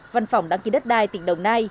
văn phòng đăng ký đất đai tỉnh đồng nai